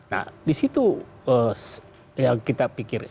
nah disitu yang kita pikir